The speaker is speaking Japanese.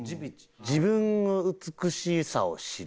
自分の美しさを知る？